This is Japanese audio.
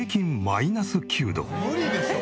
無理でしょ。